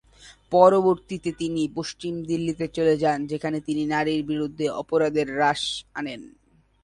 পরবর্তীতে, তিনি পশ্চিম দিল্লিতে চলে যান, যেখানে তিনি নারীর বিরুদ্ধে অপরাধে হ্রাস আনেন।